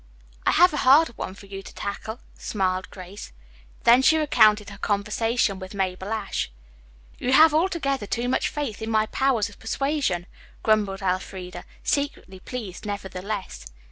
"I have a harder one for you to tackle," smiled Grace. Then she recounted her conversation with Mabel Ashe. "You have altogether too much faith in my powers of persuasion," grumbled Elfreda, secretly pleased, nevertheless.